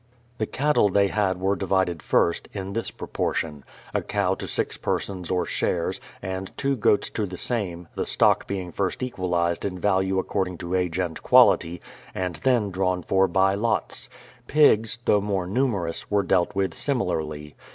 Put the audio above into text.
The cattle they had were divided first, in this propor tion: a cow to six persons or shares, and two goats to the same, the stock being first equalised in value according to age and quality, and then drawn for by lots. Pigs, though more numerous, were dealt with similarly.